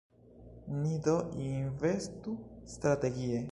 Ni do investu strategie.